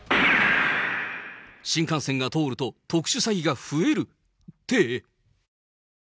新幹線が通ると特殊詐欺が増えるって。